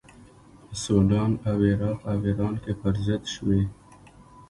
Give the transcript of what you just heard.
په سودان او عراق او ایران کې پر ضد شوې.